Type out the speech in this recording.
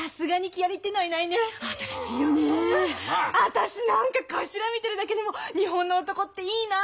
私何か頭見てるだけでも日本の男っていいななんて思います。